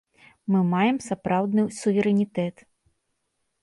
Мы маем сапраўдны суверэнітэт.